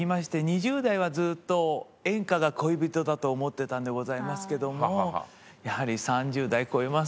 ２０代はずっと演歌が恋人だと思ってたんでございますけどもやはり３０代超えますとね